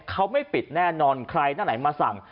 เขาไม่ปิดแน่นอนใครหน้าไหนมาสั่ง